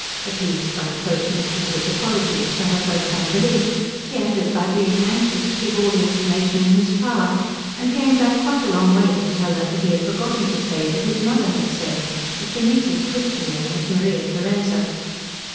Appeased by the postmistress's apologies for her first unbelief he ended by being anxious to give all the information in his power, and came back quite a long way to tell her that he had forgotten to say that his mother had said that the niece's Christian name was Maria Theresa.